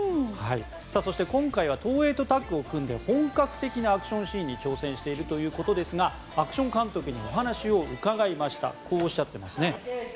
今回は東映とタッグを組んで本格的なアクションシーンに挑戦しているということですがアクション監督にお話を伺いました。